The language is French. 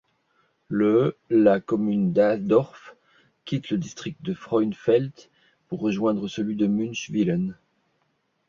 Le la commune d'Aadorf quitte le district de Frauenfeld pour rejoindre celui de Münchwilen.